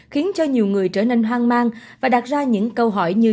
khiến cho nhiều người trở nên hoang mang và đặt ra những câu hỏi như